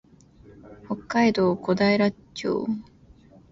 北海道古平町